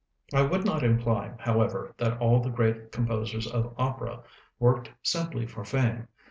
I would not imply, however, that all the great composers of opera worked simply for fame.